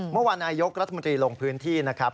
เมื่อวานนายกรัฐมนตรีลงพื้นที่นะครับ